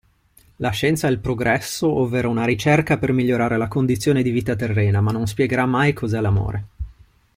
La scienza è il progresso ovvero una ricerca per migliorare la condizione di vita terrena ma non spiegherà mai cos'è l'amore.